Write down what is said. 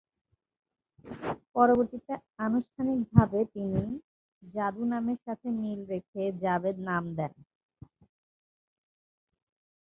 পরবর্তীতে আনুষ্ঠানিকভাবে তিনি 'জাদু' নামের সাথে মিল রেখে জাভেদ নাম নেন।